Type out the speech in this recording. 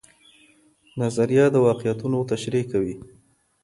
نظریه د واقعیتونو تشریح کوي.